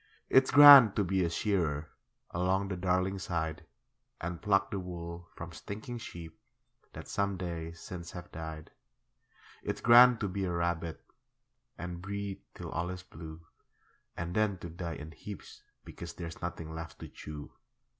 It's grand to be a shearer, Along the Darling side, And pluck the wool from stinking sheep That some days since have died. It's grand to be a rabbit And breed till all is blue, And then to die in heaps because There's nothing left to chew.